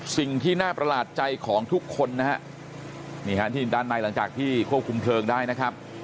สิ่งที่น่าประหลาดใจของทุกคนนะฮะนี่ฮะที่ด้านในหลังจากที่ควบคุมเพลิงได้นะครับ